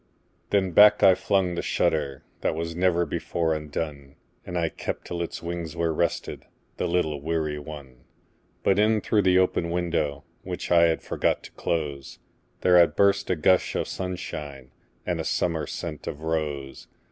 Then back I flung the shutterThat was never before undone, And I kept till its wings were restedThe little weary one. But in through the open window, Which I had forgot to close, There had burst a gush of sunshineAnd a summer scent of rose.